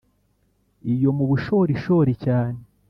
iyo mu bushorishori cyane